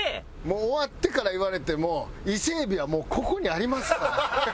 もう終わってから言われても伊勢海老はもうここにありますから。